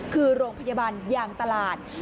คือโรงพยาบาลยางตลาด